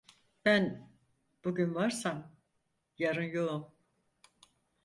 Ben bugün varsam yarın yoğum…